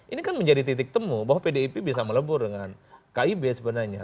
ini kan menjadi titik temu bahwa pdip bisa melebur dengan kib sebenarnya